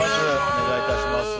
お願いします